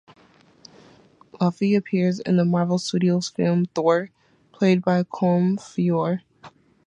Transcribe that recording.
Laufey appears in the Marvel Studios film "Thor" played by Colm Feore.